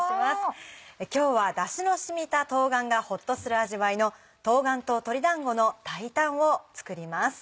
今日はだしの染みた冬瓜がほっとする味わいの「冬瓜と鶏だんごの炊いたん」を作ります。